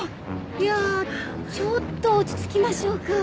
いやちょっと落ち着きましょうか。